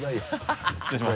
失礼します。